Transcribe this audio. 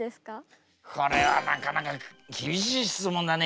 これはなかなか厳しい質問だね